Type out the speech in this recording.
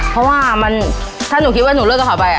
เพราะว่าถ้าหนูคิดว่าหนูเลิกกับเขาไป